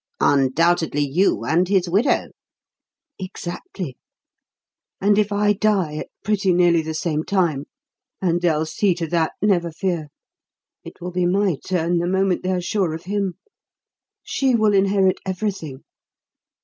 "Undoubtedly you and his widow." "Exactly. And if I die at pretty nearly the same time and they'll see to that, never fear; it will be my turn the moment they are sure of him she will inherit everything.